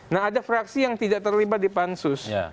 nah ada fraksi yang tidak terlibat di pansus